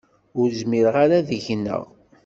Ur zmireɣ ara ad gneɣ.